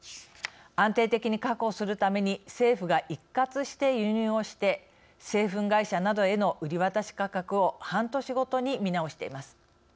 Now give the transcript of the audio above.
安定的に確保するために政府が一括して輸入をして製粉会社などへの売り渡し価格を半年ごとに見直しています。